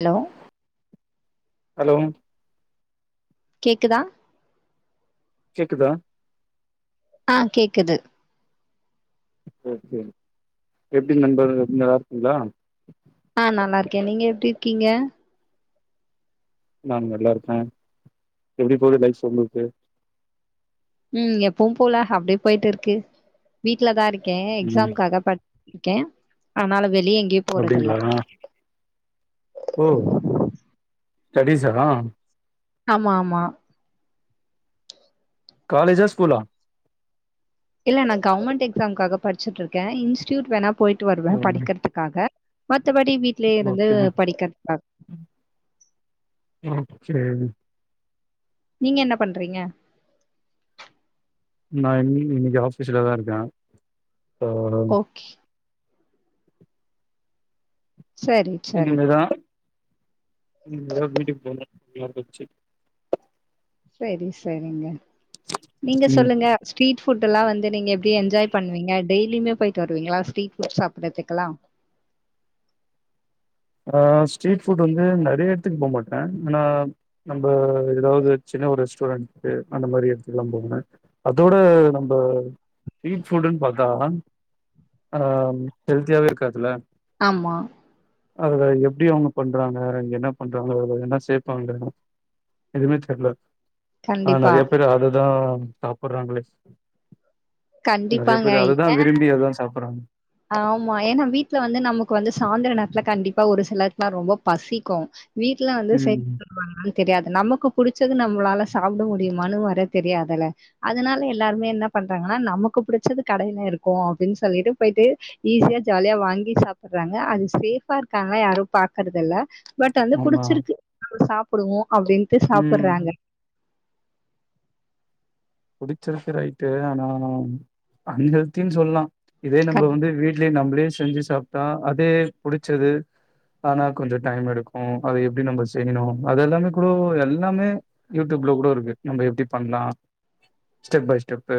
Hello hello கேக்குதா கேக்குதா ஆ கேக்குது ஓகே எப்டி நண்பர் நல்லா இருக்கிங்ளா ஆ நல்லா இருக்க நீங்க எப்டி இருக்கீங்க நாம் நல்லா இருக்க எப்டி போது லைப்ஸ் உங்ளுக்கு ம் எப்போவு போல அப்டே போயிட்டு இருக்கு வீட்ல தா இருக்கே ம் எக்ஸாம்காக பட் இருக்கே அதனால வெளிய எங்கேப் அப்டிங்ளா ஓ ஸ்டடிஷ்சா ஆமா ஆமா காலேஜா ஸ்கூலா இல்ல நா கவர்மென்ட் எக்ஷம்காக படிச்ட்டு இருக்க இன்ஸ்டியூட் வேனா போயிட்டு வருவ படிக்கிறதுக் காக மத்தபடி வீட் ஓக்கேன ஓ செரி நீங்க என்ன பண்றங்க நா என்னி இங்க ஆபீஸ்ல தா இருக்க [unintelligible] [inaudible] சரி சரி இனிமேதா இனிமதா வீட்டுக் போனு [unintelligible] செரி செரிங்க நீங்க ம் சொல்லுங்க ஸ்ட்ரீட் புட்ல்லா வந்து நீங்க என்ஜாய் பண்விங்க டெய்லுமே போய்ட்டு வருவிங்களா ஸ்ட்ரீட் ஃபுட் சாப்படதுக்கல்லா ஆ ஸ்ட்ரீட் ஃபுட் வந்து நெறைய எடத்துக்கு போ மாட்ட ஆனா நம்ம ஏதாவது சின்ன ஒரு ரெஸ்டாரன்ட்க்கு அந்த மாரி எடுத்துக்கு எல்லா போவ அதோட நம்ம ஸ்ட்ரீட் ஃபுட்டுன் பாத்தா ஆம் ஹெல்த்தியாவே இருக்காதுல ஆமா அதுதா எப்டி அவுங்க பண்றாங்க என்ன பண்றாங்களோ அதுல என்னா சேப்பாங்க என்ன செல்ல ஆ கண்டிப்பா நெறைய பேர் அததா சாப்டுறாங்களே நெறைய கண்டிப்பாங்க. பேர் அதுதா ஏன் விரும்பி அததா சாப்றாங்க ஆமா ஏனா வீட்ல வந்து நமக்கு வந்து சாந்திர நேரத்துல கண்டிப்பா ஒரு சிலக்குல்லா ரொம்ப பசிக்கு வீட்டலா வந்து செக் ம் இது தெரியாது நமக்கு புடிச்சது நம்மளால சாப்ட முடியுமான்னு வேர தெரியாதல அதுனால எல்லாருமே என்ன பண்றாங்கனா நமக்கு புடிச்சது கடையில இருக்கு அப்டின் சொல்லிட்டு பொயிட்டு ஈஸியா ஜாலியா வாங்கி சாப்புட்றாங்க அது சேஃபா இருக்காங்லா யாரு பாக்குறதில்ல பட் வந்து ஆமா புடிச்சிருக்கு நம்ப சாப்புடுவோ அப்டின்ட்டு ம் சாப்புட்றாங்க புடிச்சிருக்கு ரைட்டு ஆனா அன்ஹெல்த்தின் சொல்லலா இதே நம்ம கண் வந்து வீட்லயே நம்மளே செஞ்சு சாப்ட்டா அதே புடிச்சது ஆனா கொஞ்சொ டைம் எடுக்கூ அத எப்டி நம்ம செய்யணு அதெல்லாமேக்கூடோ எல்லாமே யூடியூப்ல கூட இருக்கு நம்ம எப்டி பண்லா ஸ்டெப் பை ஸ்டெப்பு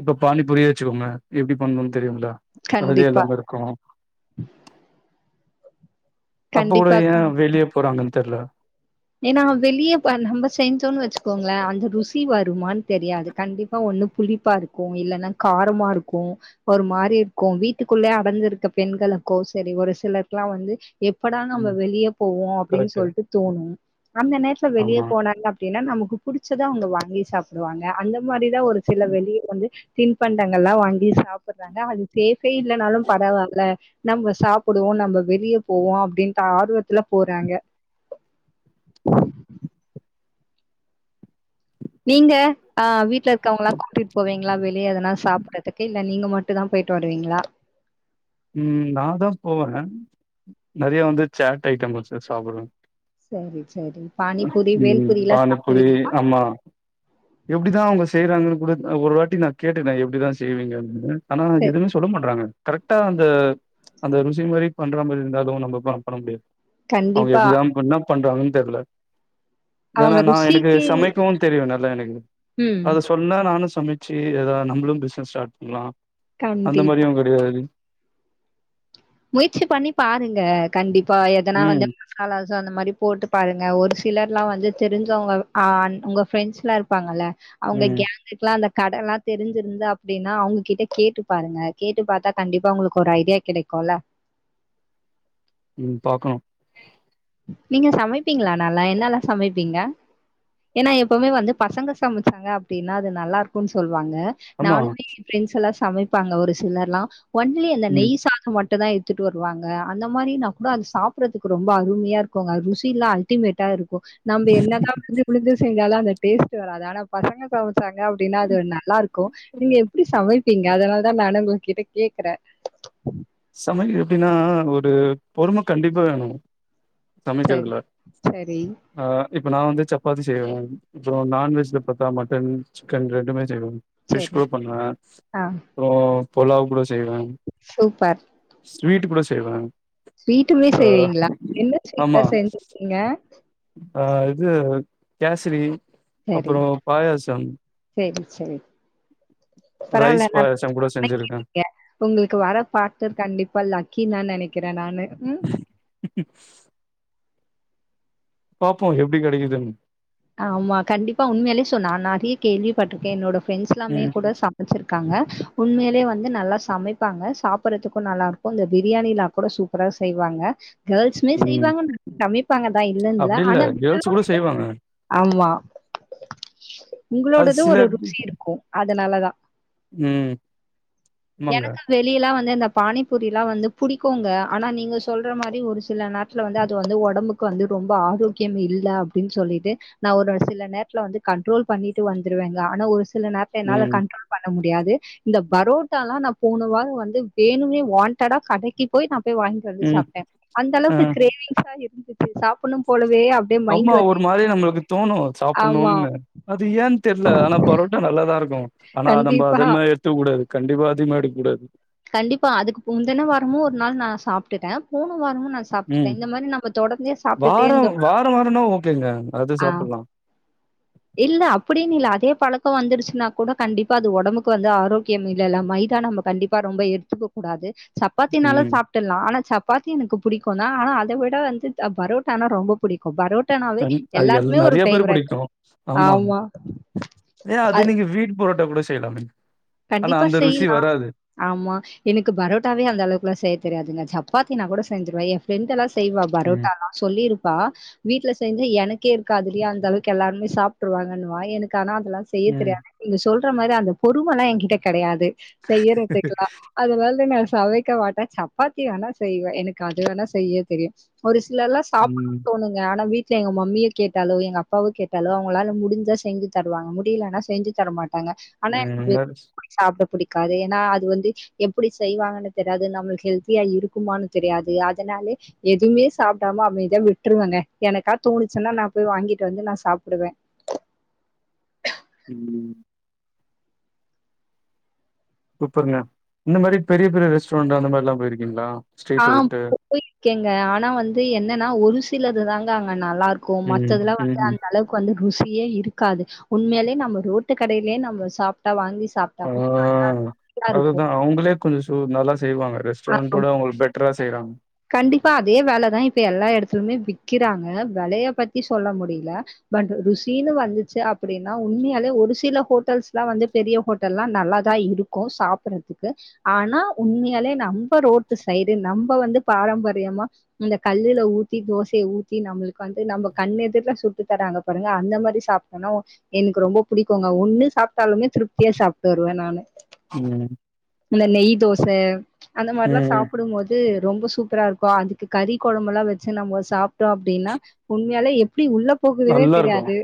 இப்ப பானி பூரியே வச்சுக்கோங்க எப்டி பண்ணணுன் தெரியுல்ல பதிலே கண்டிப்பா. இல்லாம இருக்கோ அப்ப கூட கண்டிப்பா. ஏ வெளிய போறாங்கன் தெரில ஏனா வெளியப்ப நம்ம செஞ்சோன் வச்சிக்கோங்ளே அந்த ருசி வருமான் தெரியாது கண்டிப் பா ஒண்ணு புளிப்பா இருக்கு இல்லனா காரமா இருக்கு ஒரு மாரி இருக்கு வீட்டுக்குள்ளயே அடைஞ்சிருக்க பெண்களுக்கோ சரி ஒரு சிலர்க்லா வந்து எப்பொடா நம்ம ம் வெளிய போவோ அப்டின் கரெக்ட்டு சொல்ட்டு தோணூ அந்த நேரத்துல வெளிய ஆமா போனாங்க அப் டினா நமக்கு புடிச்சத அவங்க வாங்கி சாப்டுவாங்க அந்த மாரிதா ஒரு சில வெளிய வந்து தின்பண்டங்கள்லா வாங்கி சாப்புட்றாங்க அது சேஃபே இல்லனாலு பரவால்ல நம்ம சாப்புடுவோ நம்ப வெளிய போவோ அப்டின்ட்டு ஆர்வத்துல போறாங்க நீங்க ஆ வீட்ல இருக்கவங்களா கூட்டிட் போவெங்ளா வெளிய எதனா சாப்புட்றதுக்கு இல்லன் நீங்க மட்டுதா பொயிட்டு வருவிங்களா ம் நா தா போவே நெறைய வந்து சேட் ஐட்டம் வச்சு சாப்புடுவே சரி சரி பானிபூரி ம் பேல்பூரியிலா பானிபூரி சாப்டுவீங்ளா ஆமா எப்டிதா அவங்க செய்றாங்கனு கூட ஒரு வாட்டி நா கேட்டனே எப்டிதா நா செய்விங்கன்னு ஆனா சரி எதுமே சொல்ல மாட்றாங்க கரெக்டா அந்த அந்த ருசி மாரி பண்ற மாரி இருந்தாலு நம்ம ப பண்ண முடியாது அவங்க கண்டிப்பா எப்டிதா பண் என்ன பண்றாங்கன் தெரில ஏனா அவங்க நா எனக்கு ருசிக்கு சமைக்கவு தெரியு நல்லா எனக்கு ம் அத சொன்னா நானு சமச்சி எதா நம்மளு பிசுனஸ் ஸ்டார்ட் பண்லா அந்த கண்டிப்பா மாரியு கெடையாரு முயற்சி பண்ணி பாருங்க கண்டிப்பா எதனா ம் வந்து நாளாச்சு அந்த மாரி போட்டு பாருங்க ஒரு சிலர்லா வந்து தெரிஞ்சவங்க ஆன் உங்க ஃப்ரெண்ட்ஸ்லா இருப்பாங்கல அவங்க ம் கேங் குலா அந்த கடல்லா தெரிஞ்சிருந்து அப்டினா அவங்ககிட்ட கேட்டு பாருங்க கேட்டு பாத்தா கண்டிப்பா உங்களுக்கு ஒரு ஐடியா கிடைக் கொல ம் பாக்கணு நீங்க சமைப்பிங்ளா நல்லா என்னலா சமைப்பிங்க ஏனா எப்பவுமே வந்து பசங்க சமச்சாங்க அப்டினா அது நல்லாருக்குன் சொல்லுவாங்க ஆமா நானுமே ஏ ஃபிரெண்ட்ஸெலா சமைப்பாங்க ஒரு சிலர்லா ஒன்லி அந்த ம் நெய் சா தொ மட்டுதா எடுத்துட்டு வருவாங்க அந்த மாரி நாக்கூட அது சாப்புட்றதுக்கு ரொம்ப அருமையா இருக்குங்க ருசில்லா அல் டிமேட்டா இருக்கு நம்ம என்னதா விழுந்து விழுந்து செஞ்சாலு அந்த டேஸ்ட் வராது ஆனா பசங்க சமச்சாங்க அப்டினா அது நல்லா இருக்கு நீங்க எப்டி சமைப்பிங் க அதனாலதா நானு உங்க கிட்ட கேக்குறே சமையல் எப்டினா ஒரு பொறும கண்டிப்பா வேணு சரி சமைக்கிறதுல சரி ஆ இப்ப நா வந்து சப்பாத்தி செய்வே அப்பறோ நான்வெஜ்ல பாத்தா மட்டன் சிக்கன் ரெண்டுமே செய்வே ஃபிஷ் சரி கூட பண்ணுவே ஆ அப்றோ பொலாவ் கூட செய்வே சூப்பர் ஸ்வீட்டு கூட செய்வே ஸ்வீட்டுமே ஆ செய்வீங்களா என்ன ஸ்வீட்லா ஆமா செஞ்சுருக்கீங்க ஆ இது கேசரி சரி, அப்பறோ பாயாசம் சரி சரி பரவால்ல ரைஸ் நல்லா பாயாசம் கூட செஞ்சிருக்கே சமைக்கிறீங்க உங்களுக்கு வர பாட்னர் கண்டிப்பா லக்கி தா நெனைக்கிறே நானு ம். [unintelligible] பாப்போ எப்டி கெடைக்குதுன் ஆமா கண்டிப்பா உண்மேலயே சொ நா நெறைய கேள்விப்பட்ருக்கே என்னோட ஃப்ரெண்ட்ஸ் எல்லாமே ம் கூட சாப் வச்சுருக்காங்க உண்மேலயே வந்து நல்லா சமைப்பாங்க சாப்பற்றதுக்கு நல்லாருக்கு இந்த பிரியாணிலா கூட சூப் பரா செய்வாங்க கேள்ஸுமே ம் செய்வாங்கன் சமைப்பாங்க தா இல்லன்னு இல்ல அப்டி ஆனா கேர்ள்ஸ் கூட [unintelligible] செய்வாங்க ஆமா அது உங்களோடது சில ஒரு ருசி இருக்கு அதுனாலதா ம் ஆமங்க வெளியலா வந்து இந்த பானிபூரிலா வந்து புடிக்குங்க ஆனா நீங்க சொல்ற மாரி ஒரு சில நே நேரத்துல வந்து அது வந்து ஒடம்புக்கு வந்து ரொம்ப ஆரோக்கியம் இல்ல அப்டின் சொல்லிட் டு நா ஒரு சில நேரத்துல வந்து கண்ட்ரோல் பண்ணிட்டு வந்துருவேங்க ஆனா ஒரு சில நேரத்துல என்னால ம் கண்ட்ரோல் பண்ண முடியாது இந்த பரோட்டால்லா நா போனவாரோ வந்து வேணுனே வாண்டடா கடைக்கு போய் நா போய் வாங்கி வந்து ம் சாப்ட்டே அந்த ஆ அளவுக்கு கிரேவிங்ஸா இருந்துச்சு சாப்பன்னும் போலவே அப்டியே மைண்ட் ரொம்பா‌ வந்து ஒரு மாரி நம்மளுக்கு தோணு ஆமா. சாப்பன்னூனு அது ஏன் தெர்ல ஆனா பரோட்டா நல்லாதா இருக் கு ஆனா நம்ப கண்டிப்பா. அதிகமா எடுத்துக்க கூடாது கண்டிப்பா அதிகமா எடுக் கூடாது கண்டிப்பா அதுக்கு முந்துன வாரமு ஒரு நாள் நா சாப்ட்டுட்டே போன வாரமு நா ம் வாரோ இருந்தோம் வாரோ வாரோனா ஓகேங்க அது ஆ சாப்பல்லா இல்ல அப்டின்னு இல்ல அதே பழக்கொ வந்துருச்சுன்னா கூட கண்டிப்பா அது ஒடம்புக்கு வந்து ஆரோக்கியம் இல்லேல்ல மைதா நம கண்டிப்பா ரொம்ப எடுத்துக்க கூடாது சப்பாத்தினால ம் சாப் டற்லா ஆனா சப்பாத்தி எனக்கு புடிக்கும் தா ஆனா அத விட வந்து பரோட்டானா ரொம்பொ புடிக்கு பரோட்டானாவே கண் அது எல் எல்லாருக்குமே ஒரு நெறைய பேர் ஃபேவரட் பிடிக்கு ஆமா ஏ அது நீங்க வீட் புரோட்டா கூட செய்யலாமே ஆனா கண்டிப்பா அந்த ருசி செய்யலா வராது ஆமா எனக்கு பரோட்டாவே அந்த அளவுக்குலா செய்ய தெரியாதுங்க சப்பாத்தினா கூட செஞ்சுருவே எ ஃபிரண்டல்லா செய்வா ம் பரோட்டால்லா சொல்லிருப்பா வீட்ல செஞ்ச எனக்கே இருக்காதுடீ அந்தளவுக்கு எல்லாருமே சாப்ட்ருவாங்கன்னுவா எனுக்கு ஆனா அதல்லா செய்ய ம் தெரியாது நீங்க சொல்ற மாரி அந்த பொருமல்லா எங்கிட்ட கெடையாது செய்யறதுக்கெல்லா அதுனால நா சமைக்க மாட்டே சப்பாத்தி வேணா செய்வே எனக்கு அது வேணா செய்ய தெரியு ஒரு சிலல்லா சாப்புட ம் தோணு ஆனா வீட்ல எங்க மம்மிய கேட்டாலோ எங்க அப்பாவ கேட்டாலோ அவுங்களால முடுஞ்சா செஞ்சு தருவாங்க முடியலனா செஞ்சு தர மாட்டாங்க ஆனா ம் எனக்கு [inaudible] நெறச் சாப்ட புடிக்காது ஏனா அது வந்து எப்டி செய்வாங்கனு தெரியாது நம்மளுக்கு ஹெல்த்தியா இருக்குமான்னு தெரியாது அதுனாலே எதுமே சாப்டாம அமைதியா விட்டுருவங்க எனக்கா தோணுச்சுன்னா நா போய் வாங்கிட்டு வந்து நா சாப்டுவே ம் சூப்பர்ங்க இந்த மாரி பெரிய பெரிய ரெஸ்டாரண்ட் அந்த மாரிலா போயிருக்கீங்களா ஆ ஸ்ட்ரீட்ட விட்டு போயிருக்கேங்க ஆனா வந்து என்னன்னா ஒரு சிலது தாங்க அங்க நல்லார் க்கும் ம் மத்ததெல்லா வந்து ம்ஹூம் அந்த அளவு கு வந்து ருசியே இருக்காது உண்மேலயே நம்ம ரோட்டு கடேலயே நம்ம சாப்ட்டா வாங்கி சாப் ஆ அது தா அவுங்களே கொஞ்சொ சூ நல்லா செய்வாங்க ஆ ரெஸ்டரண்டோட அவுங்க பெட்டரா செய்றாங்க கண்டிப்பா அதே வெலதா இப்ப எல்லா எடத்துலுமே விக்கிறாங்க வெலைய பத்தி சொல்ல முடில பட் ருசின்னு வந்துச்சு அப்டின்னா உண்மையாலே ஒரு சில ஹோட்டல்ஸ்லா வந்து பெரிய ஹோட் ல்லா நல்லாதா இருக்கு சாப்புடுறதுக்கு ஆனா உண்மையாலே நம்ப ரோட்டு சைடு நம்ப வந்து பாரம்பரியமா இந்த கல்லுல ஊத்தி தோசைய ஊத்தி நம்மளுக்கு வந்து நம்ப கண்ணு எதிர்ல சுட்டு தராங்க பாருங்க அந்த மாரி சாப்ட்டனா எனுக்ஷக்கு ரொம்ப பூடிக்குங்க ஒண்ணு சாப்ட்டாலுமே திருப்தியா சாப்ட்டு வருவே நானு ம் இந்ல நெய் தோச அந்த மார்ல்லா ம் சாப்டு போது ரொம்ப சூப்ரா இருக்கு அதுக்கு கறி கொழம்பெல்லா வச்சு நம்ப சாப்ட்டோ அப்டின்னா உண்மையால எப்டி உள்ள போகுதுனே நல்லா இருக்கு தெரியாது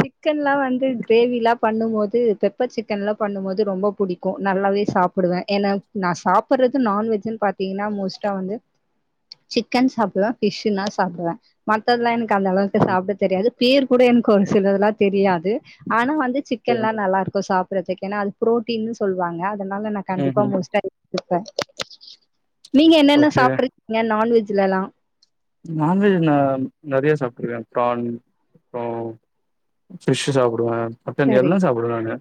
சிக்கன்லா வந்து கிரேவிலா பண்ணும்போது பெப்பர் சிக்கன்லா பண்ணும்போது ரொம்ப புடிக்கு நல்லாவே சாப்டுவே ஏன நா நா சாப்புட்றது நான்வெஜ்ன்னு பா பாத்திங்ன்னா அ மோஸ்ட்டா வந்து சிக்கன் சாப்டுவே ஃபிஷூனா சாப்டுவே மத்ததெல்லா எனக்கு அந்த அளவுக்கு சாப்பிட தெரியாது பேர் கூட எனக்கு ஒரு சிலதுல்லா தெரியாது ஆனா வந்து ஓகே சிக்கன்ல்லா நல்ல இருக்கு சாப்புட்றதுக்கு ஏன்னா அது ப்ரோட்டீன்னு சொல்லுவாங்க அதனால நா கண்டிப்பா ம்ஹூம் மோஸ்ட்டா எப்போ நீங்க என்னென்ன ஓகே சாப்பிட்ருக்கீங்க நான்வெஜ்லெலா நான்வெஜ் நா நறைய சாப்பிட்டுருக்கே பிரான் அப்றோ ஃபிஷ்ஷூ சாப்பிடுவே மட்டன் எல்லா சாப்பிடுவே நானு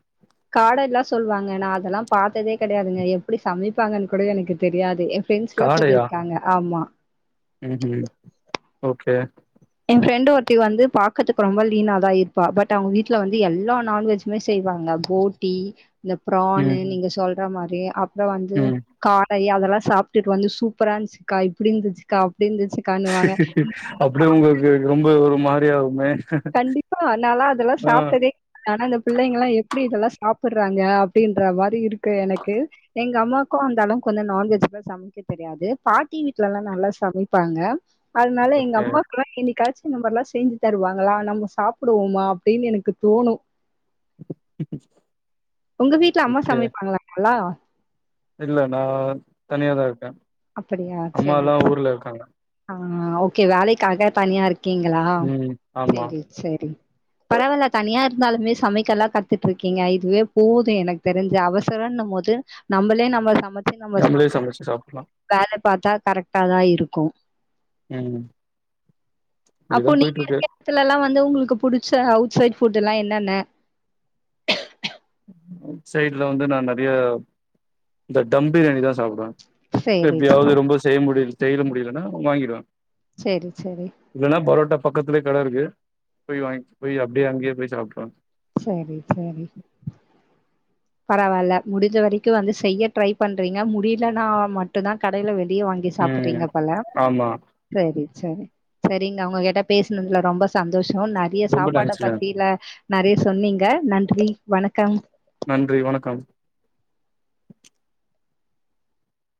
காட எல்லா சொல்லுவாங்க நா அதெல்லா பாத்ததே கெடையாதுங்க எப்டி சமைப்பாங்கன்னு கூட எனக்கு தெரியாது ஃப்ரெண்ட்ஸ்லா சொல்லிருக்காங்க ஆமா ம்ஹ்ம் ஓகே என் ஃபிரெண்ட் ஒருத்தி வந்து பாக்கற்துக்கு ரொம்ப லீனாதா இருப்பா பட் அவுங்க வீட்ல வந்து எல்லா நான்வெஜ் எல்லாமே செய்வாங்க போட்டி இந்த பிரானு ம் நீங்க சொல்ற மாரி அப்றோ வந்து ம் காட அதெல்லா சாப்பிட்டுட்டு வந்து சூப்பரா இருந்துச்சுக்கா இப்டி இருந்துச்சு அப்டி இருந்துச்சுக்கா அப்டினுவாங்க அப்டியே உங்களுக்கு ரொம்ப ஒரு மாரியாகுமே கண்டிப்பா நாலா அதெல்லா சாப்ட்டதே ஆனா அந்த பிள்ளைங்கல்லா எப்டி இதெல்லா சாப்புட்றாங்க அப்டின்ற மாரி இருக்கு எனக்கு எங்க அம்மாக்கு அந்த அளவு கொஞ்சோ நான்வெஜ்ஜலா சமைக்க தெரியாது பாட்டி வீட்டலல்லா நல்லா சமைப்பாங்க அதனால எங்க ஓகே அம்மாக்குல்லா என்னைகாச்சு இந்த மாறிலா செஞ்சு தருவாங்ளா நம்ம சாப்டுவோமா அப்டின்னு எனக்கு தோணு [inaudible] உங்க வீடால அம்மா ஓகே சமைப்பாங்ளா நல்லா இல்ல நா தனியாதா இருக்கே அப்படியா? அம்மா சரி. எல்லா ஊர்ல இருக்காங்க ஆ ஓகே வேலைக்காக தனியா இருக்கீங்களா ம் ஆமா சேரி சேரி பரவால்ல தனியா இருந்தாலுமே சமைக்கல்லா கத்துட்ருக்கீங்க இதுவே போது எனக்கு தெரிஞ்ச அவச ரோனு போது நம்மளே நம்ம சமைச்சு நம்ம நம்மளே சாப்பிட்டுட்டு சமைச்சு சாப்புட்லா வேல பாத்தா கரெக்டாதா இருக்கு ம் அப்போ அப்டிதா நீங்க போயிட்டு இருக்கு இருக் எடத்துல எல்லா வந்து உங்களுக்கு புடிச்ச அவுட் சைட் ஃபுட் எல்லா என்னன்ன அவ்ட் சைட்ல வந்து நா றைய இந்த டம் பிரியாணிதா சாப்டுவே சேரி எப்பயாவது ரொம்ப செய்ய முடிய செய்யல முடியலன்னா ஒன்னு வாங்கிடுவே செரி செரி இல்லைன்னா பரோட்டா பக்கத்துலயே கட இருக்கு போய் வாங்கி போய் அப்டியே அங்கேயே போய் சாப்ட்ருவேன் சேரி சேரி பரவாயில்ல முடிஞ்ச வரைக்கும் வந்து செய்ய ட்ரை பண்றீங்க முடியலன்னா மட்டும் தான் கடையில வெளியே வாங் கி ம் சாப்பறீங்கப் போல ஆமா செரி செரி செரிங்க உங்க கிட்ட பேசினதுல ரொம்ப சந்தோஷம் ந றைய ரொம்ப சாப்பாட தேங்க்ஸ்ங்க பத்திலா நிறைய சொன்னீங்க நன்றி வணக்கம் நன்றி வணக்கம்